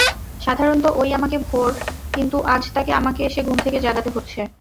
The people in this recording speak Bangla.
সাধারণত ওই আমাকে ভোর কিন্তু আজ তাকে আমাকে এসে ঘুম থেকে জাগাতে হচ্ছে।